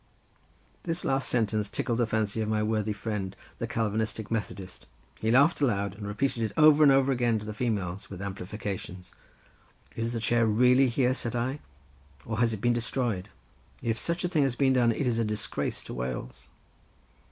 '" This last sentence tickled the fancy of my worthy friend, the Calvinistic Methodist; he laughed aloud and repeated it over and over again to the females with amplifications. "Is the chair really here," said I, "or has it been destroyed? if such a thing has been done it is a disgrace to Wales."